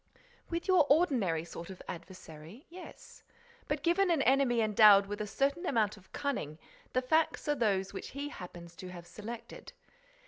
"With your ordinary sort of adversary, yes. But, given an enemy endowed with a certain amount of cunning, the facts are those which he happens to have selected.